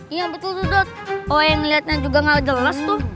iya betul sudut